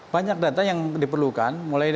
banyak data yang diperlukan